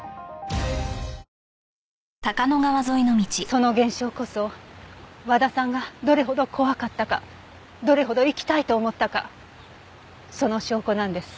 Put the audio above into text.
その現象こそ和田さんがどれほど怖かったかどれほど生きたいと思ったかその証拠なんです。